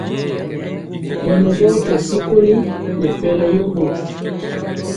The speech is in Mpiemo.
Ɓɔnɔ ɓɔɔ kɛ sikoli nɛ pɛlɔ yombo.